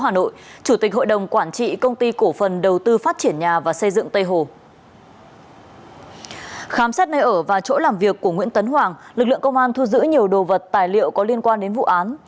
lực lượng công an thu giữ nhiều đồ vật tài liệu có liên quan đến vụ án